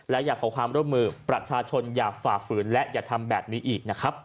และอยากขอความร่วมมือประชาชนอย่าฝ่าฝืนและอย่าทำแบบนี้อีกนะครับ